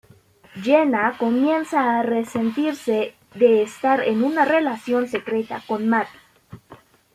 Jenna comienza a resentirse de estar en una relación secreta con Matty.